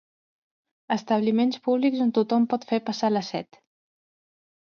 Establiments públics on tothom pot fer passar la set.